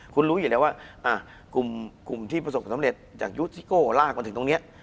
คุณรู้อยู่แล้วว่ากลุ่มที่ประสบความสำเร็จจากยูซิโก้ลากมาถึงตรงนี้